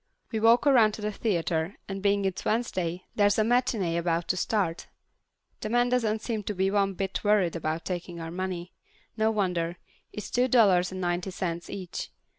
We walk around to the theater, and being it's Wednesday, there's a matinee about to start. The man doesn't seem to be one bit worried about taking our money. No wonder. It's two dollars and ninety cents each.